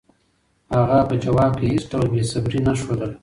هغه په ځواب کې هېڅ ډول بېصبري نه ښودله.